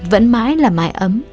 vẫn mãi là mái ấm